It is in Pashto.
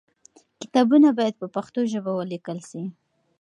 کتابونه باید په پښتو ژبه ولیکل سي.